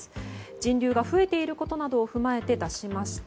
人流が増えていることなどを踏まえて出しました。